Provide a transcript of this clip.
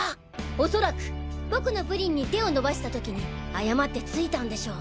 おそらく僕のプリンに手を伸ばした時に誤って付いたんでしょう。